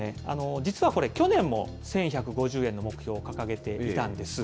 実はこれ、去年も１１５０円の目標掲げていたんです。